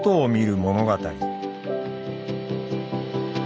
物語。